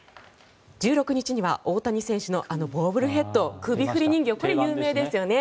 １６日には大谷選手のボブルヘッド首振り人形、これ有名ですね。